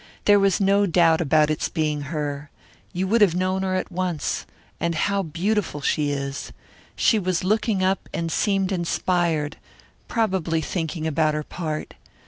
There was no doubt about its being her. You would have known her at once. And how beautiful she is! She was looking up and seemed inspired, probably thinking about her part.